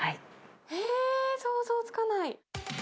えー、想像つかない。